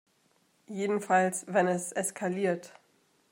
Jedenfalls, wenn es eskaliert.